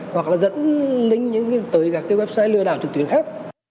hoặc là dẫn link tới các cái website lừa đảo trực tuyến khác